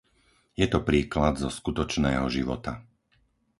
Je to príklad zo skutočného života.